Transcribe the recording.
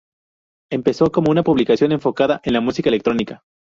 Empezó como una publicación enfocada en la música electrónica.